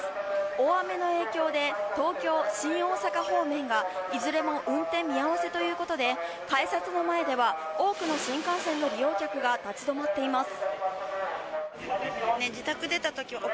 大雨の影響で東京新大阪方面がいずれも運転見合わせということで改札の前では多くの新幹線の利用客が立ち止まっています。